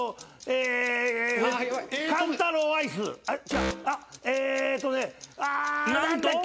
えっとね